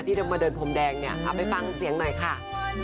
ที่มาเดินพรมแดงไปฟังเสียงหน่อยค่ะ